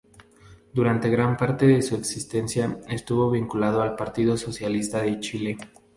Durante gran parte de su existencia estuvo vinculado al Partido Socialista de Chile.